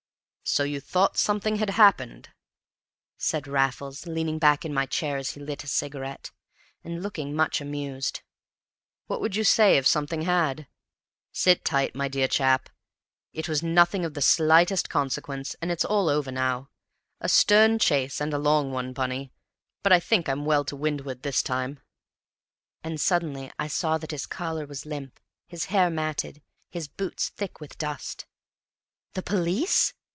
"So you thought something had happened?" said Raffles, leaning back in my chair as he lit a cigarette, and looking much amused. "What would you say if something had? Sit tight, my dear chap! It was nothing of the slightest consequence, and it's all over now. A stern chase and a long one, Bunny, but I think I'm well to windward this time." And suddenly I saw that his collar was limp, his hair matted, his boots thick with dust. "The police?"